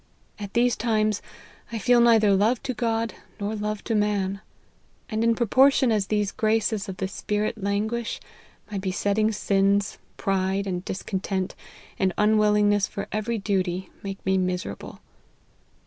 At these times I feel neither love to God, nor love to man ; and in proportion as these graces of the Spirit languish, my besetting sins, pride, and dis content, and unwillingness for every duty, make me miserable.